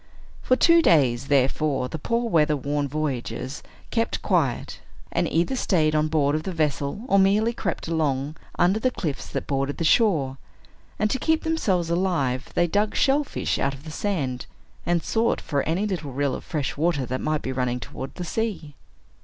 For two days, therefore, the poor weather worn voyagers kept quiet, and either staid on board of their vessel, or merely crept along under the cliffs that bordered the shore; and to keep themselves alive, they dug shellfish out of the sand, and sought for any little rill of fresh water that might be running towards the sea.